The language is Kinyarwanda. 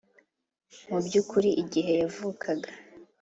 Mu by’ukuri igihe yavukaga